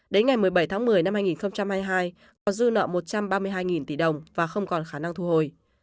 đến ngày một mươi bảy tháng một mươi năm hai nghìn hai mươi hai có dư nợ một trăm ba mươi hai tỷ đồng và không còn khả năng thu hồi